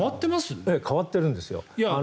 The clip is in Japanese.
変わってるんですよ。